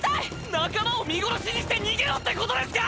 仲間を見殺しにして逃げろってことですか